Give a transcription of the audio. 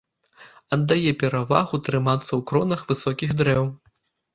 Аддае перавагу трымацца ў кронах высокіх дрэў.